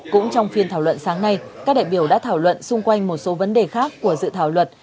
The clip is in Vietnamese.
cũng trong phiên thảo luận sáng nay các đại biểu đã thảo luận xung quanh một số vấn đề khác của dự thảo luật